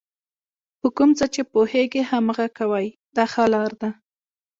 په کوم څه چې پوهېږئ هماغه کوئ دا ښه لار ده.